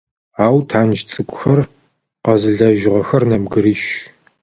Ау тандж цӏыкӏухэр къэзылэжьыгъэхэр нэбгырищ.